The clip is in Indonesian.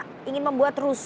mereka ingin membuat rusuh